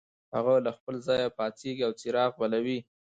هغه له خپل ځایه پاڅېږي او څراغ بلوي.